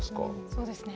そうですね。